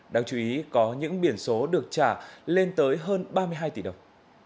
đáng chú ý có những biển số được trả lên tới hơn ba mươi hai tỷ đồng